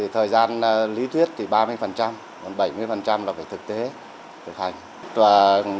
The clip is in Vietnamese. thời gian lý thuyết thì ba mươi bảy mươi là thực tế thực hành